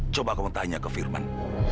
coba kamu tanya ke firman